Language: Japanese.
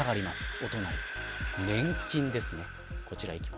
お隣、年金ですね。